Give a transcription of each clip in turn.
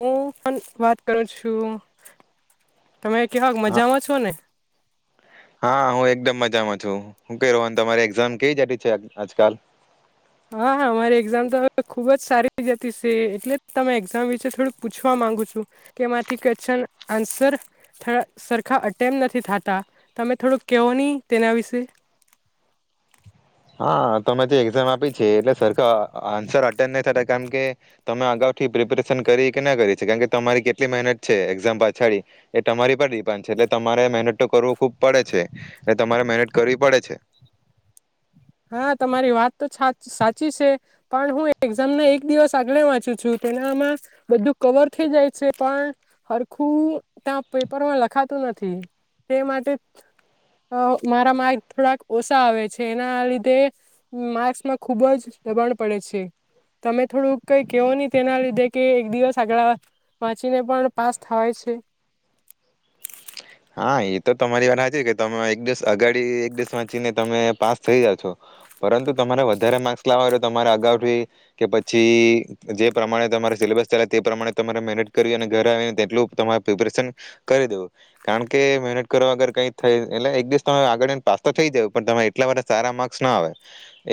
હું પણ વાત કરું છું, તમે કેવા હા મજામાં છો ને? હા હું એકદમ મજામાં છું હું ક રું તમારી એક્ઝામ કઈ જતી છે આજકાલ. હા હા અરી એક્ઝામ તો હવે ખુબ જ સારી જતી છે, એટલે તમે એક્ઝામ વિશે થોડુંક પૂછવા માંગુ છુ કેમાંથી ક્વેશ્ચન આન્સર સરખા અટેમ્પ નથી થતા તમે થોડુંક કેહો નહી તેના વિશે. હા તમે જે એક્ઝામ આપી છે, એટલે સરખ આન્સર અટેન્ડ નહી થતા કારમ કે તમે અગાઉથી પ્રિપેરેશન કરી કે ના કરી છે, કારમકે તમારી કેટલી મહેનત છે એક્ઝામ પાછડી એ તમારી પર ડિપાન્ડ છે, એટલે તમારે મહેનત તો કરવું ખુબ પડે છે, એ તમારે મહેનત કરવી પડે છે. હા તમારી વાત તો સાચી છે, પણ હું એક્ઝામ ના એક દિવસ આગલે વાંચું છું તેનામાં બધું કવર થઈ જાય છે, પણ સરખું ત્યાં પેપરમાં લખાતું નથી, તે માટે મારા માર્ક થોડાક ઓછા આવે છે એના તે માર્ક્સમાં ખુબ જ દબાણ પડે છે. તમે થોડું કઈ કેવો ની તેના લીધે કે એક દિવસ આગળ વાંચીને પણ પાસ થવાય છે. હા એ તો તમારી વાર હ છે કે તમે એક દિવસ અગાડી એક દિવસ વાંચીને તમે પાસ થઈ જા છો પરંતુ, તમારે વધારે માર્ક્સ લાવવા તમારે અગાઉ‌થી‌ કે પછી જે પ્રમાણે તમારે સિલેબસ ચાલે તે પ્રમાણે તમારે મહેનત કરવી અને ઘરે આવીને તેટલું તમારે પ્રિપરેશન કરી દેવું. કારણ કે મહેનત કરવા‌ વગર કઈ થાય એટલે એક દિવસ આગળને પાસ તો થઈ જ પણ તમારે એટલા બધા સારા માર્ક્સ ના આવે.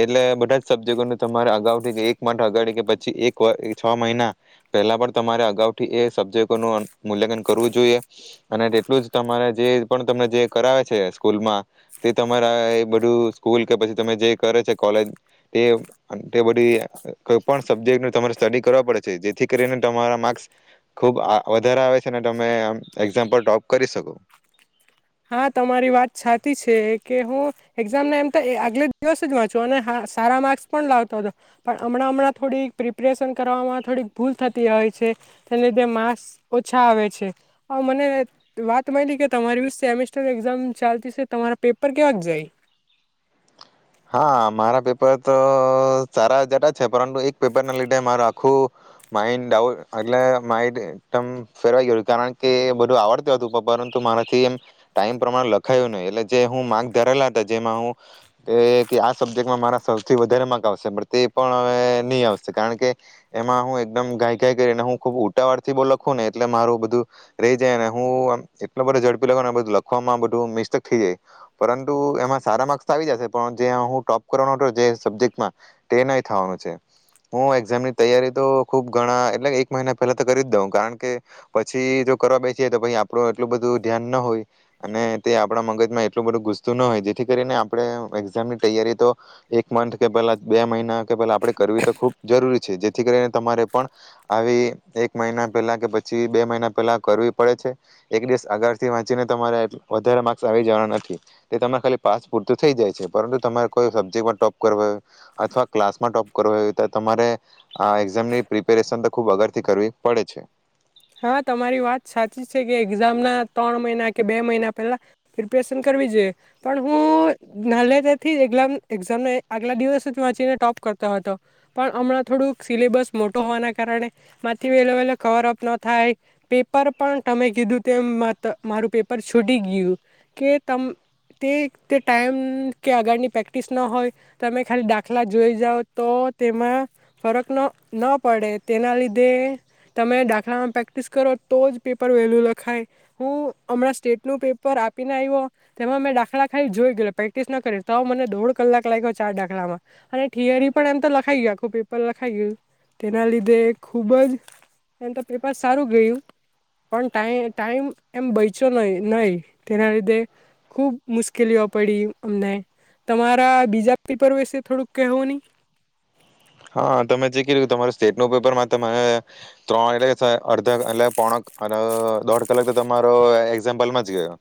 એટલે બધા જ સબ્જેક્ટો તમારે અગાઉથી એક માઠ અગા કે પછી એક છ મહિના પહેલા પણ તમારે અગાઉથી એ સબ્જેક્ટોનું મૂલ્યાંકન કરવું જોઈએ અને જે એટલું જ તમારે જે પણ તમને જે કરાવે છે સ્કૂલમાં, તે તમારા એ બધું સ્કૂલ કે પછી તમે જે કરે છે કોલેજ તે તે બધું કોઈ પણ સબ્જેક્ટનું તમારે સ્ટડી કરવા પડે છે જેથી કરીને તમારા માર્ક્સ ખૂબ વધારે આવે છે, અને તમેમ એક્ઝામ્પલ ટોપ કરી‌‌ શકો. હા તમારી વાત સાચી છે કે હું એક્ઝામ ના એમ તો આગલે દિવસ જ વાંચું અને સારા માર્ક્સ પણ લાવતો હતો, પણ હમણાં હમણાં થોડીક પ્રિપરેશન કરવામાં થોડીક ભૂલ થતી હોય છે, તેને લીધે માર્ક્સ ઓછા આવે છે, હા પણ મને વાત મળી કે તમારી સેમેસ્ટર એક્ઝામ ચાલતી છે તમારા પેપર કેવા જ જાય? હા મારા પેપર તો સારા જતા છે, પરંતુ એક પેપર ના લીધે મારું આખું, માઇન્ડ ડઉટ એટલે માઇડ એકદમ ફેરવાઈ ગયું કારણ કે બધું આવડતું હતું પરંતુ મારાથી એમ ટાઈમ પ્રમાણે લખાયું નહ એટલે જે હ માર્ક ધરેલા હતા જેમાં હું એ કે આ સબ્જેક્ટમાં મારા સૌથી વધારે માર્ક આવશે પણ તે પણ હવે નહી આવશે કારણ કે, એમાં હું એકદમ ગાઈ ગાય કરીને હું ખુબ ઉટાવાળ થી બહુ લખું ને એટલે મારું બધું, રહી જાય ને હુંમ એટલો બધો ઝડપી લખું બધું લખવામાં બધું મિસ્ટેક થઈ જાય, પરંતુ એમાં સારા માર્ક્સ આવી જશે. પણ જ્યાં હું ટોપ કરવાનો હતો જે સબ્જેક્ટમાં, તેનેય થવાનું છે, હું એક્ઝામની તૈયારી તો ખુબ ઘણા એટલે એક મહિના પહેલા તો કરી જ દઉં કારણ કે, પછી જો કરવા બેસીએ તો પછ આપણું એટલું બધું ધ્યાન ન હોય અને તે આપણા મગજમાં એટલું બધું ગુસતું ન હોય જેથી કરીને આપણે એક્ઝામ ની તૈયારી તો, એક મંથ કે પેલા બે મહિના કે પેલા આપણે કરવી તો ખુબ જરૂરી છે જેથી કરીને તમારે પણ, આવી એક મહિના પહેલા કે પછી બે મહિના પહેલા કરવી પડે છે, એક દિવસ અગારથી વાંચીને તમારે વધારે માર્ક્સ આવી જવા નથી, તે તરે ખાલી પાસ પૂરતું થઈ જાય છે. પરંતુ તમારે કોઈ સબ્જેક્ટમાં ટોપ કરો, અથવા ક્લાસમાં ટોપ કરવો‌ તો તમારે, આ એક્ઝામની પ્રિપેરેશન તો ખુબ અગરથી કરવી પડે છે. હા તમારી વાત સાચી છે કે એક્ઝામના ત્રણ મહિના કે બે મહિના પહેલા, પ્રિપરેશન કરવી જોઈએ, પણ હું નાનલે તારાથી જ એક્ઝામ આગલા દિવસ જ વાંચીને ટોપ કરતો હતો, પણ હમણાં થોડુંક સિલેબસ મોટો હોવાના કારણે, માંથી વહેલો વહેલો કવર અપ ન થાય, પેપર પણ તમે કીધું તેમ મારું પેપર છૂટી ગયું, કે તમ તે તે ટાઈમ કે આગળની પ્રેક્ટિસ ન હોય, તમે ખાલી દાખલા જોઈ જાઓ તો તેમાં ફરક ન ન પડે તેના લીધે તમે દાખલા પ્રેક્ટિસ કરો તો જ પેપર વેલ્યુ લખાય, હું હમણાં સ્ટેટનું પેપર આપીને આવ્યો, તેમાં મેં દાખલા ખાઈ જોઈ ગય પ્રેક્ટિસ ન કરી તો મને દોઢ કલાક લાગ્યો ચાર દાખલામાં, અને થિયરી પણ એમ તો લખાઈ ગય આખું પેપર લખાઈ ગયું, તેના લીધે ખૂબ જ એમ તો પેપ બસ સારું ગયું, પણ ટ ટાઈમ એમ બચો ન નહી, તેના લીધે ખુબ મુશ્કેલીઓ પડી, અમને તમારા બીજા પેપર વિશે થોડુંક કવો નહી? સ્ટેટ ન પેપરમાં ત, ત્રણ એટલે અડધા એટલે પોણા દોઢ કલાક તો તમારો એક્ઝામ્પલમાં જ ગયો,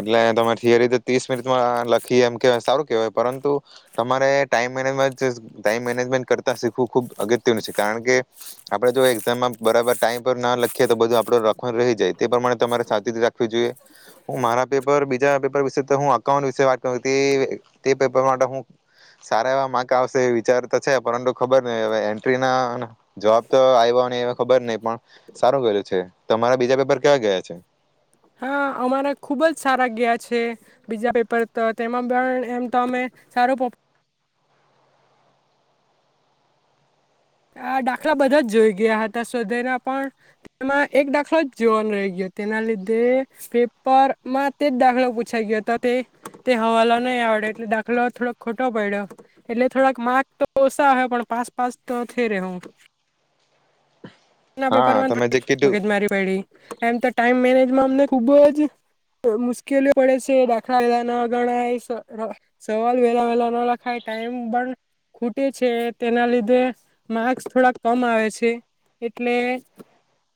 એટલે તમારે થિયરી તો ત્રીસ મિનિટમાં લખી એમ કેવાય સારું કેહેવાય પરંતુ, તમારે ટાઈમ મેનેજમેન્ટ ટાઈમ મેનેજમેન્ટ કર બ અગત્યનું છે કારણ કે, આપણે જો એામમાં બરાબર ટાઈમ પર ના લખીએ તો બધું આપડ રખ રહી જાય તે પ્રમાણે તમારે સાચી રાખવી જોઈએ, હું મારા પેપર બીજા પપ વિ અઉ વિત પેપર માટે હ સારા એવા માર્ક આવશે વિચારતા છે પરતું ખબર નહ હવે એન્ટ્રી ના જવાબ તો આવ્યો ન ખબર નહ પણ, સારું ગલું છે, તમારા બીજા પેપર કેવા ગયા છે? હા અમારા ખુબ જ સારા ગયા છે, બીજા પેપર તો તેમાં પણ એમ તો અમે સારો આ દાખલા બધા જ જોઈ ગયા હતા સોધેના પણ, તેમાં એક દાખલો જ જોવાનો રહી ગયો તેના લીધે પેપરમાં તે જ દાખલો પૂછાઈ ગયો હતો તે તે હવાલો નહીં આવડ્યો એટલે દાખલો થોડોક ખોટો પડ્યો, એટલે થોડાક માર્ક તો ઓછા આવ્યા પણ પાસ પાસ ત થે રેહુ. ના હા પેપર તમે જે કીધું મગજમારી બડી [unintelligible] એમ તો ટાઈમ મેનેજમાં અમને ખુબ જ મુશ્કેલીઓ પડે છે દાખલા વેલા ના ગણાય સવાલ વેલા વેલા ના લખાય ટાઈમ પણ, ખૂટે છે તેના લીધે, માર્કસ થોડાક કમ આવે છે. એટલે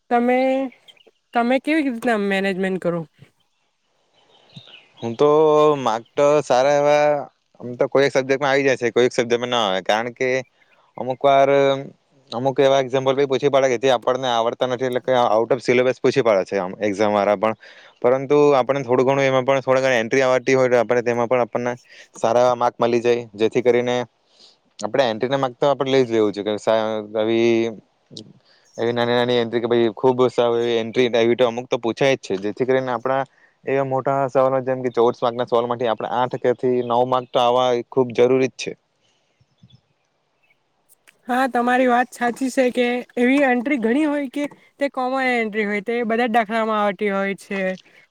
તમે તમે કેવી રીતના મેનેજમેન્ટ કરો? હમ તો માર્ક તો સારા એવા આમ તો કોઈક સબ્જેક્ટમાં આવી જાય છે કોઈક સબ્જેક્ટમાં ના આવે કારણ કે, અમુક વાર અમુક એવા એક્ઝામ્પલ પૂછી પાડે કે જે આપણને આવડતા નથી એટલે કે આઉટ ઓફ સિલેબસ પૂછી પાડે છે એક્ઝામ વાળા પણ, પરંતુ આપણને થોડું ઘણું એમાં પણ થોડા ઘણા એન્ટ્રી આવતી હોય તો, આપણને તેમાં પણ આપણને, સારા એવા માર્ક મળી જાય જેથી કરીને આપણે એન્ટ્રી ના માર્ક તો આપણે લઈ જ લેવું છ કે એવી નાની નાની એન્ટ્રી કે ખૂબ એન્ટ અમુક તો પૂછાય જ છે જેથી કરીને આપણા, એવા મોટા જેમ કે ચૌવુદ માર્કના સવાલ માંથી આપણે આઠથી નવ માર્ક તો આવવા ખુબ જરૂરી જ છે. હા તમારી વાત સાચી છે કે એવી એન્ટ્રી ઘણી હોય કે, તે કોમન એન્ટ્રી હોય તે બધા જ દાખલામાં આવતી હોય છે,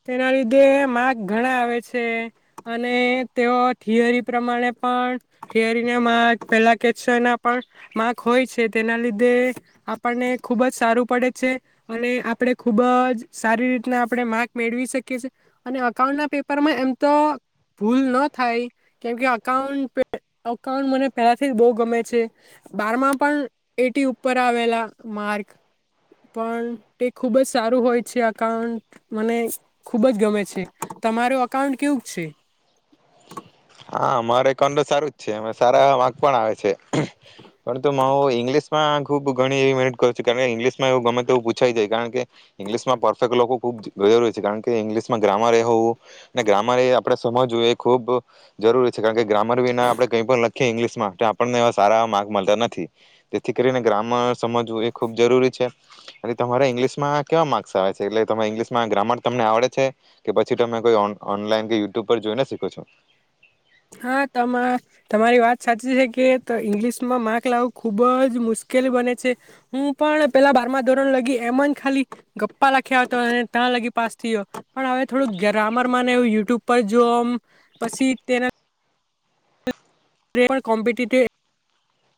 તેના લીધે માર્ક ઘણા આવે છે, અને તેઓ થિયરી પ્રમાણે પણ, થિયરીના માર્ક પહેલા કેચ એના પણ માર્ક હોય છે તેના લીધે આપણને ખૂબ જ સારું પડે છે, અને આપણે ખૂબ જ સારી રીતના આપણે માર્ક મેળવી શકીએ છીએ, અને અકાઉન્ટના પેપરમાં એમ તો ભૂલ ન થાય કેમકે અકાઉન્ટ અકાઉન્ટ મને પહેલાંથી બહુ ગમે છે. બારમાં પણ એટી ઉપર આવેલા માર્ક, પણ તે ખુબ જ સારું હોય છે, અઉન્ટ મને ખુબ જ ગમે છે, તમાર અઉન્ટ કેવું છે? હા, અમારે કનડ સારું જ છે અ સારા માર્ક પણ આવે છે, પરંતુ હું ઇંગ્લિશમાં ખુબ ઘણી એવી મહેનત કરું છું, કારણ કે, ઇંગ્લિશમાં એવું ગમેવું પૂછાય જાય કારણ કે ઇંગ્લિશમાં પરફેક્ટ લોકો ખૂબ જરૂરી છે, કારણ કે ઇંગ્લિશમાં ગ્રામર એ હોવું ને ગ્રામર એ આપણે સમજવું એ ખૂબ જરૂરી છે કારણ કે ગ્રામર વિના આપણે કંઈ પણ લખીએ ઇંગ્લિશમાં આપણને એવા સારા માર્ક મળતા નથી, જેથી, કરીને ગ્રામર સમજવું એ ખૂબ જરૂરી છે, અને તમારા ઇંગ્લિશમાં કેવા માર્ક્સ આવે છે. એટલે તમારે ઇંગ્લિશમાં ગ્રામર તમને આવડે છે, કે પછી તમે કોઈ ઓનલાઈન કે યુટ્યુબ પર જોઈને શીખો છો? હા તમા તમારી વાત સાચી છે, કે ઈંગ્લિશમાં માર્ક લાવું ખુબ જ મુશ્કેલ બને છે, હું પણ પેલા બારમા ધોરણ લગી એમ જ ખાલી ગપ્પા લખ્યા હતો, અને ત્યાં, લગી પાસ થ ગયો પણ હવે થોડું ગ્રામર ને યુટ્યુબ પર જોમ, પછી તેના તે પણ કોમ્પિટી તે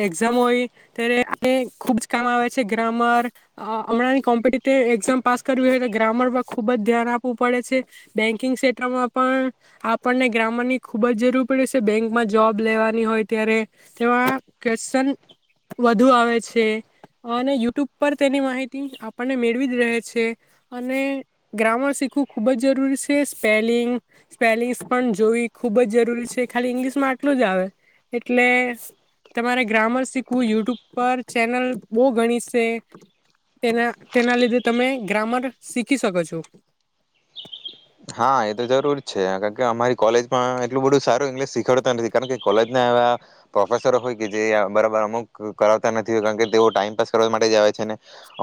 એક્ઝામ હોય, ત્યારે ખુબ જ કામ આવે છે ગ્રામર, હમણાં કોમ્પિટેટિવ એક્ઝામ પાસ કરવી હોય તો ગ્રામર પર ખૂબ જ ધ્યાન આપવું પડે છે, બેંકિંગ ક્ષેત્રમાં પણ આપણને ગ્રામરની ખુબ જ જરૂર પડે છે બેંકમાં જોબ લેવાની હોય ત્યારે, તેમાં ક્વેશચન વધુ આવે છે, અને યુટ્યુબ પર તેની માહિતી આપણને મેળવી જ રહે છે, અને ગ્રામર શીખવું ખૂબ જ જરૂરી છે સ્પેલિંગ સ્પેલિંગ્સ પણ જોવી ખૂબ જ જરૂરી છે ખાલી ઇંગ્લિશમાં આટલું જ આવે, એટલે તમારે ગ્રામર શીખવું યુટ્યુબ પર ચેનલ બહુ ગણી છે, તેના તેના લીધે તમે ગ્રામર શીખી શકો છો. હા એ તો જરૂર છે કારણ કે અમારી કોલેજમાં એટલું બધું સારું ઇંગ્લિશ શીખાડતા નથી, કારણ કે કોલેજના એવા પ્રોફેસરો હોય કે જે બરાબર અમુક કરાવતા નથી હોય, કારણ કે તેઓ ટાઈમપાસ કરવા માટે જ આવે છે. ને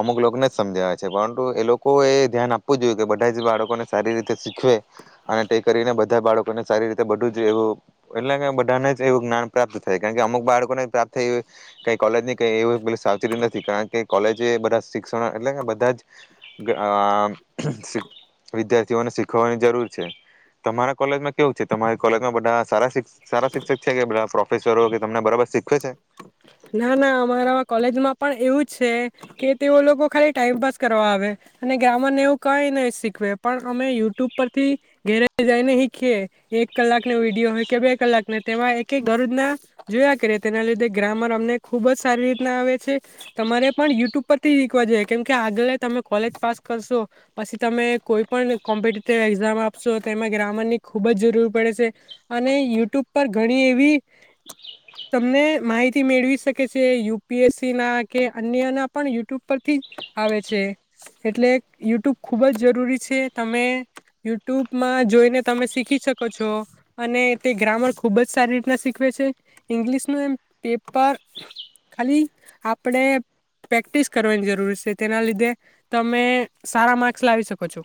અમુક લોકોને જ સમજાવે છે, પરંતુ એ લોકો એ ધ્યાન આપવું જોઈએ કે બધા જ બાળકોને સારી રીતે શીખવે, અને તે કરીને બધા બાળકોને સારી રીતે બધું જ એવું એટલે બધાને જ એવું જ્ઞાન પ્રાપ્ત થાય કારણ કે અમુક બાળકોને પ્રાપ્ત થઈ, ક કોલેજની ક એવ સાવચેતી નથી કારણ કે કોલેજ એ બધા શિક્ષણ એટલે બધા જ વિદાર ને શીખવાની જરૂર છે, તમારા કોલેજમાં કેવું છે તમારી કોલેજમાં બધા સારા સારા શિક્ષક છે કે પ્રોફેસરો તમને બરાબર શીખ ના, ના, અમારા કોલેજમાં પણ એવું જ છે, કે તેઓ લોકો ખાલી ટાઈમપાસ કરવા આવે. અને ગ્રામરને એવું કઈ નહી શીખવે. પણ, અમે યુટ્યુબ પરથી ઘેરે જઈને શીખીએ એક કલાકનો વિડીયો હોય, કે બે કલાક તેમાં એક એક ઘરજ ના જોયા કે રતે તેના લીધે ગ્રામર અમને ખૂબ જ સારી રીતના આવે છે. તમારે પણ યુટ્યુબ પરથી શીખવા જઈએ. કેમ કે, આગળ તમે કોલેજ પાસ કરશો પછી, તમે કોઈ પણ કોમ્પિટટિવ એક્ઝામ આપશો તો એમાં, ગ્રામરની ખૂબ જ જરૂર પડે છે. અને યુટ્યુબ પર ઘણી એવી તમને માહિતી મેળવી શકે છે. યુપીએસસી ના કે અન્યના પણ યુટ્યુબ પરથી આવે છે. એટલે યુટ્યુબ ખૂબ જ જરૂરી છે. તમે યુટ્યુબમાં જોઈને તમે શીખી શકો છો. અને તે ગ્રામર ખૂબ જ સારી રીતના શીખવે છે. ઈંગ્લિશનું એમ પેપર ખાલી આપણે પ્રેક્ટિસ કરવાની જરૂર છે. તેના લીધે તમે સારા માર્ક્સ લાવી શકો છો.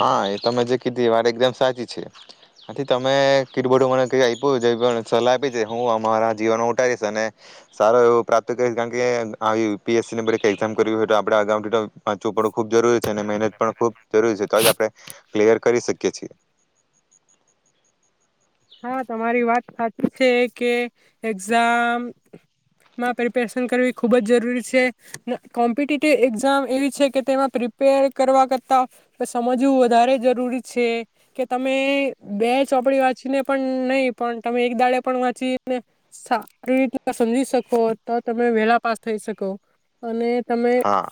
હા એ તમે જે કીધી મારી એઝામ સાચી છે. આથી, તમે કીટબડું મને ક આપ્યું સલાહ આપી છે. હું અમારા જીવન ઉઠારીશ અને સારો એવું પ્રાપ્ત કરીશ કારણ કે, યુ પી એસ ની એક્ઝામ ને એવી કરવી હોય તો, આપે અગાઉથી વાંચવું થોડું ખૂબ જરૂરી છે. અને મહેનત પણ ખૂબ જરૂરી છે. તો જ આપણે કિલ્યર કરી શકીએ છીએ. હા, તમારી વાત સાચી છે, કે એક્ઝામમાં પ્રિપેરેશન કરવી ખુબ જ જરૂરી છે. કોમ્પિટેટિવ એક્ઝામ એવી છે, કે તેમાં પ્રિપેર કરવા કરતાં સમજવું વધારે જરૂરી છે, કે તમે બે ચોપડી વાત વાચીને પણ નહીં, પણ તમે એક દાડે પણ વાંચીને સારી રીત સમજી શકો, તો તમે વેલા પાસ થઈ શકો અને તમે હા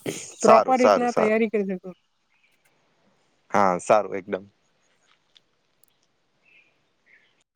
સારું પ્રોપર સારું રીતના સારું તૈયારી કરી શકો. હા, સારું એકદમ.